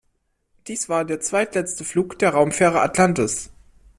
Dies war der zweitletzte Flug der Raumfähre Atlantis.